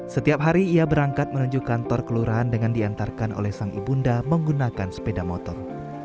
setiap hari ia berangkat menuju kantor kelurahan dengan diantarkan oleh sang ibunda menggunakan sepeda motor